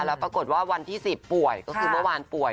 แล้วปรากฏว่าวันที่๑๐ป่วยก็คือเมื่อวานป่วย